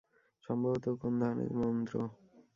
সম্ভবত কোন ধরনের মন্ত্র?